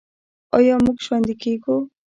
آیا موږ ژوندي کیږو؟